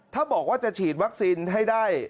ถ้าบอกว่าจะฉีดวัคซีนให้ได้